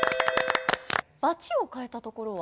バチを替えたところは？